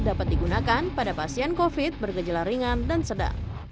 dapat digunakan pada pasien covid bergejala ringan dan sedang